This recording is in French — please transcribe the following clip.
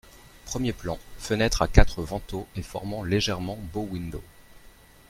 Premier plan, fenêtre à quatre vantaux et formant légèrement bow-window.